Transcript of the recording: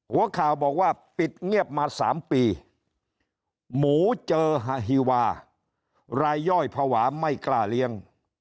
หัวข่าวบอกว่าปิดเงียบมา๓ปีหมูเจอฮาฮีวารายย่อยภาวะไม่กล้าเลี้ยง